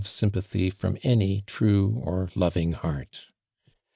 sympathy iiom any true or lov ing heart.